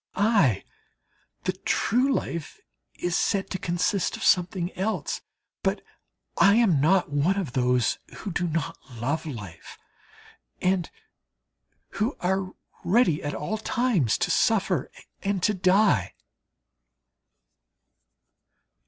Aye! The true life is said to consist of something else: but I am not one of those who do not love life, and who are ready at all times to suffer and to die.